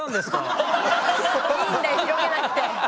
いいんだよ広げなくて。